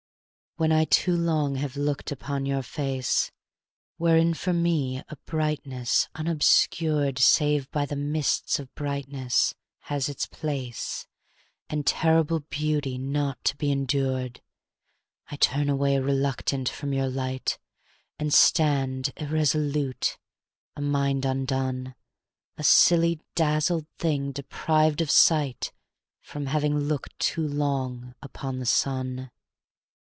VII When I too long have looked upon your face, Wherein for me a brightness unobscured Save by the mists of brightness has its place, And terrible beauty not to be endured, I turn away reluctant from your light, And stand irresolute, a mind undone, A silly, dazzled thing deprived of sight From having looked too long upon the sun.